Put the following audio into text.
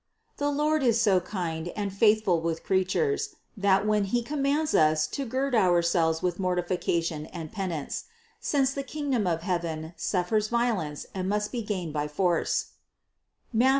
The Lord is so kind and faithful with creatures, that, when He commands us to gird ourselves with mortification and penance, (since the kingdom of heaven suffers vio lence and must be gained by force (Matth.